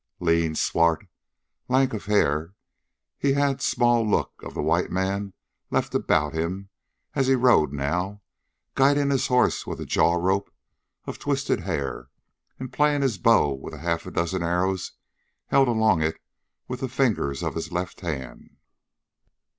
Lean, swart, lank of hair, he had small look of the white man left about him as he rode now, guiding his horse with a jaw rope of twisted hair and playing his bow with a half dozen arrows held along it with the fingers of his left hand.